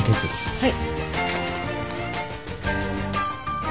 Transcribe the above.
はい。